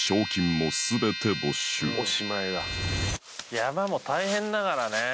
山も大変だからね